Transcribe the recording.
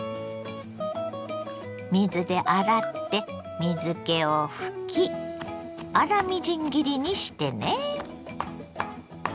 水で洗って水けを拭き粗みじん切りにしてね。